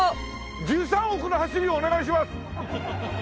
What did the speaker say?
１３億の走りをお願いします！